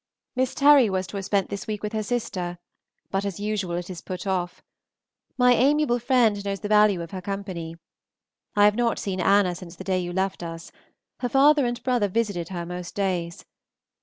Miss Terry was to have spent this week with her sister, but as usual it is put off. My amiable friend knows the value of her company. I have not seen Anna since the day you left us; her father and brother visited her most days.